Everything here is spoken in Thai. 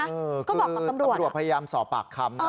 ก็บอกกับกำรวจพยายามสอบปากคำนะ